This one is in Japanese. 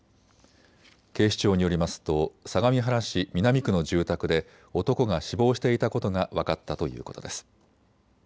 警視庁によりますと相模原市南区の住宅で男が死亡していたことが分かったということです。